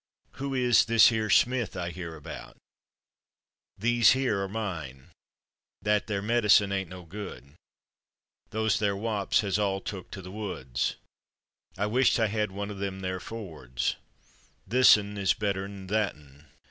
Who is /this here/ Smith I hear about? /These here/ are mine. /That there/ medicine ain't no good. /Those there/ wops has all took to the woods. I wisht I had one of /them there/ Fords. /Thisn/ is better'n /thatn